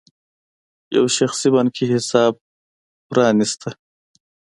یو شخصي بانکي حساب پرانېسته.